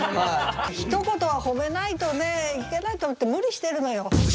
ひと言は褒めないといけないと思ってしてた！？